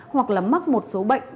hoặc là mắc một số bệnh